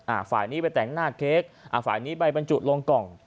ฝ่ายนี้ไปแต่งหน้าเค้กอ่าฝ่ายนี้ไปบรรจุลงกล่อง